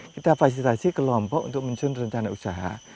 kita fasilitasi kelompok untuk mensun rencana usaha